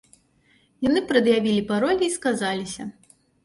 Яны прад'явілі паролі і сказаліся.